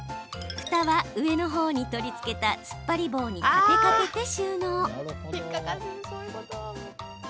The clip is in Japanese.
ふたは、上のほうに取り付けたつっぱり棒に立てかけて収納。